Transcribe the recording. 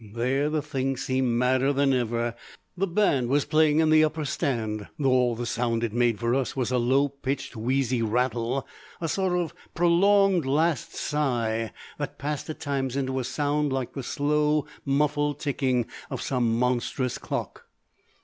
There the thing seemed madder than ever. The band was playing in the upper stand, though all the sound it made for us was a low pitched, wheezy rattle, a sort of prolonged last sigh that passed at times into a sound like the slow, muffled ticking of some monstrous clock.